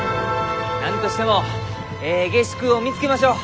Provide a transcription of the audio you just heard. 何としてもえい下宿を見つけましょう。